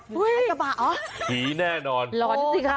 เฮ้ยพีชแน่นอนร้อนสิค่ะ